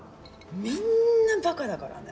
みんな馬鹿だからね。